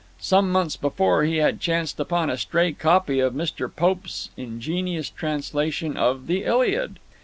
Some months before he had chanced upon a stray copy of Mr. Pope's ingenious translation of the ILIAD.